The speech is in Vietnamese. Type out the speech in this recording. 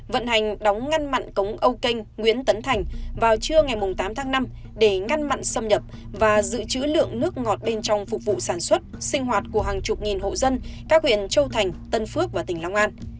vận hành đóng ngăn mặn cống âu canh nguyễn tấn thành vào trưa ngày tám tháng năm để ngăn mặn xâm nhập và giữ chữ lượng nước ngọt bên trong phục vụ sản xuất sinh hoạt của hàng chục nghìn hộ dân các huyện châu thành tân phước và tỉnh long an